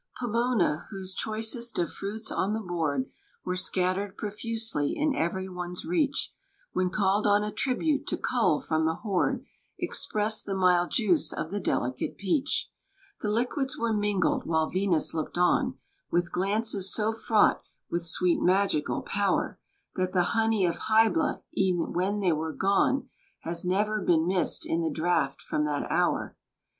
Pomona, whose choicest of fruits on the board Were scattered profusely, in every one's reach, When called on a tribute to cull from the hoard, Express'd the mild juice of the delicate peach. The liquids were mingled, while Venus looked on, With glances so fraught with sweet magical power, That the honey of Hybla, e'en when they were gone, Has never been missed in the draught from that hour.